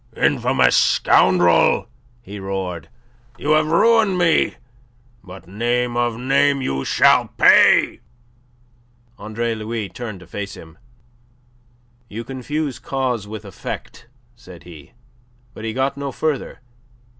"Infamous scoundrel!" he roared. "You have ruined me! But, name of a name, you shall pay!" Andre Louis turned to face him. "You confuse cause with effect," said he. But he got no farther...